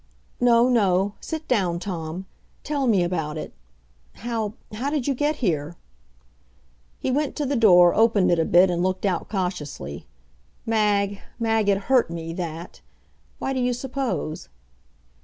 "No no. Sit down, Tom. Tell me about it. How how did you get here?" He went to the door, opened it a bit and looked out cautiously. Mag Mag it hurt me that. Why, do you suppose?